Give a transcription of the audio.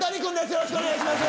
よろしくお願いします。